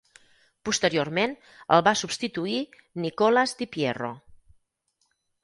Posteriorment, el va substituir Nicolas diPierro.